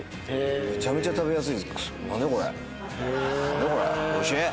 めちゃめちゃ食べやすいです。